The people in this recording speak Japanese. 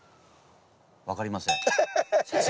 分かりません先生。